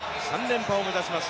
こちらが３連覇を目指します